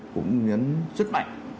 cũng nhấn rất mạnh